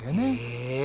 へえ。